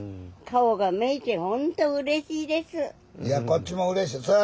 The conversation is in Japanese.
いやこっちもうれしい。